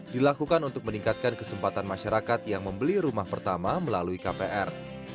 dilakukan untuk meningkatkan kesempatan masyarakat yang membeli rumah pertama melalui kpr